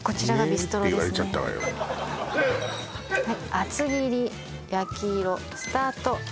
「あつぎり焼き色」スタート